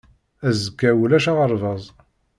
Azekka ulac aɣerbaz.